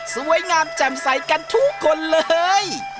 สวยงามแจ่มใสกันทุกคนเลย